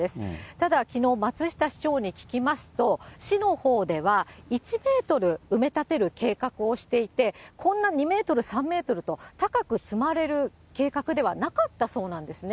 ただ、きのう松下市長に聞きますと、市のほうでは、１メートル埋め立てる計画をしていて、こんな２メートル、３メートルと、高く積まれる計画ではなかったそうなんですね。